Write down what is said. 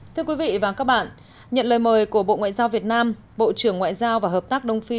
thưa quý vị và các bạn nhận lời mời của bộ ngoại giao việt nam bộ trưởng ngoại giao và hợp tác đông phi